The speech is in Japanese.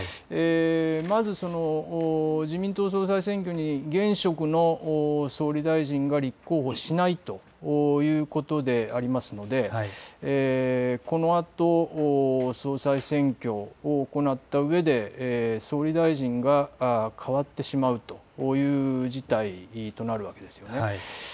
まず自民党総裁選挙に現職の総理大臣が立候補しないということでありますのでこのあと総裁選挙を行ったうえで総理大臣がかわってしまうという事態となるわけです。